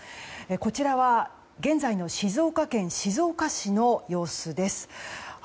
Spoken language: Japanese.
こちらは現在の静岡県静岡市の様子です。